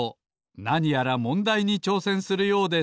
なにやらもんだいにちょうせんするようです